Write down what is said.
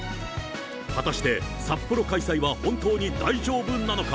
果たして札幌開催は本当に大丈夫なのか。